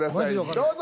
どうぞ。